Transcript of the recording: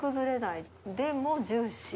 でもジューシー。